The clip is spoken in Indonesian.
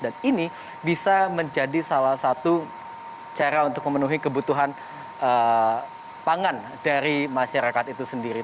dan ini bisa menjadi salah satu cara untuk memenuhi kebutuhan pangan dari masyarakat itu sendiri